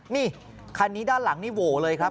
นี่คันนี้ด้านหลังนี่โหวเลยครับ